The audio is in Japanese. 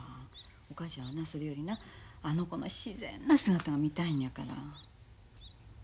お母ちゃんはなそれよりなあの子の自然な姿が見たいんやから。